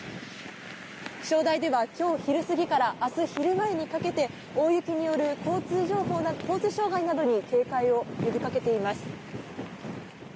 気象台では今日昼過ぎから明日昼前にかけて大雪による交通障害などに警戒を呼びかけています。